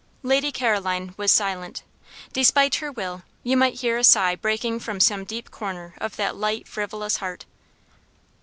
Lady Caroline was silent. Despite her will, you might hear a sigh breaking from some deep corner of that light, frivolous heart.